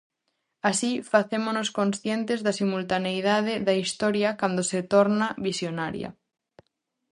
Así, facémonos conscientes da simultaneidade da historia cando se torna visionaria.